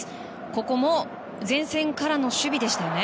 ここも前線からの守備でしたよね。